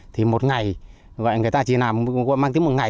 thì một ngày vậy người ta chỉ làm mang tiếng một ngày